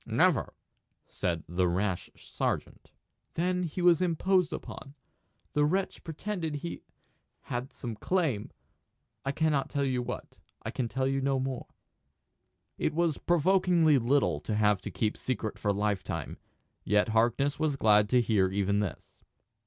"Never," said the rash sergeant. "Then he was imposed upon. The wretch pretended he had some claim I cannot tell you what. I can tell you no more." It was provokingly little to have to keep secret for lifetime; yet Harkness was glad to hear even this.